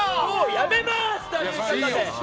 やめますということで。